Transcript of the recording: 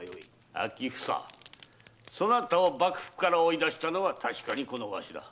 詮房を幕府から追い出したのは確かにこのわしじゃ。